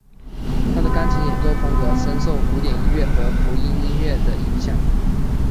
他的钢琴演奏风格深受古典音乐和福音音乐的影响。